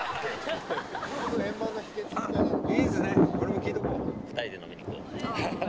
俺も聞いとこう。